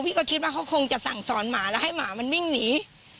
ก็คิดว่าเขาคงจะสั่งสอนหมาแล้วให้หมามันวิ่งหนี